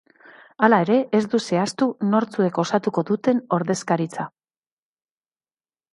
Hala ere, ez du zehaztu nortzuek osatuko duten ordezkaritza.